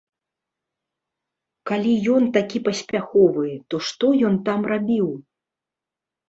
Калі ён такі паспяховы, то што ён там рабіў?